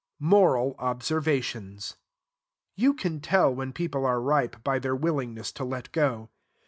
Moral Observations. You can tell when people are ripe by their willingness to let go.